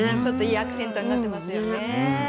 アクセントになっています。